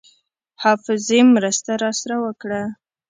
حافظې مرسته راسره وکړه.